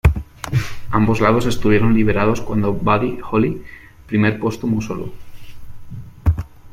Ambos lados estuvieron liberados cuando Buddy Holly primer póstumo solo.